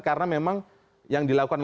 karena memang yang dilakukan